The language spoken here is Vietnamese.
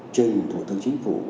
trình thủ tướng chính phủ